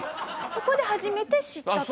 そこで初めて知ったと？